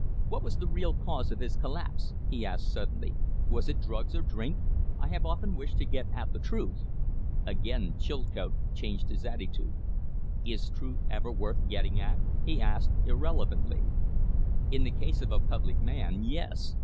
What was the real cause of his collapse?" he asked, suddenly. "Was it drugs or drink? I have often wished to get at the truth." Again Chilcote changed his attitude. "Is truth ever worth getting at?" he asked, irrelevantly. "In the case of a public man yes.